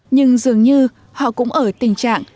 nhưng dường như họ cũng ở tình trạng